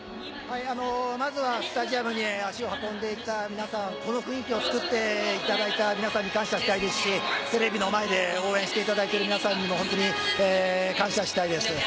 まずはスタジアムに足を運んでいただきました皆さん、この雰囲気を作っていただいた皆さんに感謝したいですし、テレビの前で応援していただいている皆さんにも本当に感謝したいです。